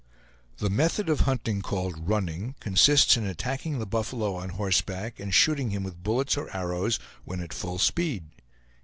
*The method of hunting called "running" consists in attacking the buffalo on horseback and shooting him with bullets or arrows when at full speed.